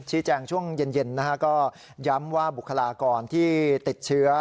แจ้งช่วงเย็นนะฮะก็ย้ำว่าบุคลากรที่ติดเชื้อ